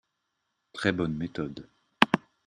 Très bonne méthode